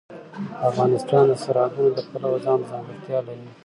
افغانستان د سرحدونه د پلوه ځانته ځانګړتیا لري.